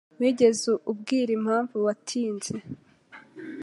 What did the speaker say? Wigeze ubwira impamvu watinze?